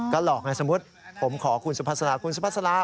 ก็หลอกไงสมมุติผมขอคุณสุภาษาคุณสุภาษาลา